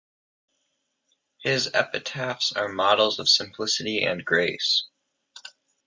His epitaphs are models of simplicity and grace.